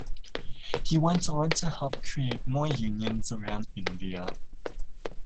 He went on to help create more unions around India.